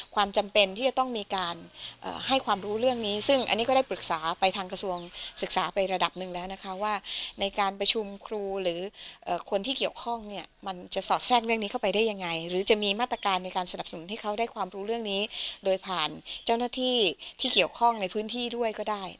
ความจำเป็นที่จะต้องมีการให้ความรู้เรื่องนี้ซึ่งอันนี้ก็ได้ปรึกษาไปทางกระทรวงศึกษาไประดับหนึ่งแล้วนะคะว่าในการประชุมครูหรือคนที่เกี่ยวข้องเนี่ยมันจะสอดแทรกเรื่องนี้เข้าไปได้ยังไงหรือจะมีมาตรการในการสนับสนุนให้เขาได้ความรู้เรื่องนี้โดยผ่านเจ้าหน้าที่ที่เกี่ยวข้องในพื้นที่ด้วยก็ได้